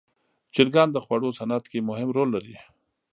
چرګان د خوړو صنعت کې مهم رول لري.